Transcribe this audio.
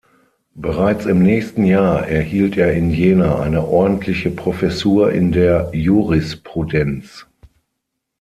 Bereits im nächsten Jahr erhielt er in Jena eine ordentliche Professur in der Jurisprudenz.